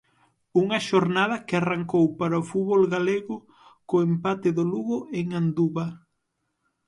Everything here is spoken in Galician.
Unha xornada que arrancou para o fútbol galego co empate do Lugo en Anduva.